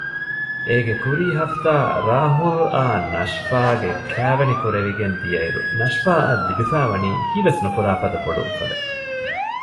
އޭގެ ކުރީ ހަފްތާ ރާހުލްއާ ނަޝްފާގެ ކައިވެނި ކުރެވިގެން ދިއައިރު ނަޝްފާއަށް ލިބިފައިވަނީ ހީވެސްނުކުރާ ފަދަ ބޮޑު އުފަލެއް